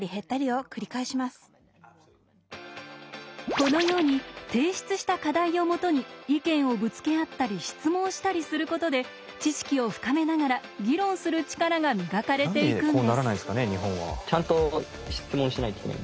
このように提出した課題をもとに意見をぶつけ合ったり質問したりすることで知識を深めながら議論する力が磨かれていくんです。